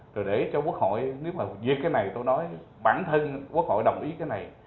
rồi để cho quốc hội nếu mà việc cái này tôi nói bản thân quốc hội đồng ý cái này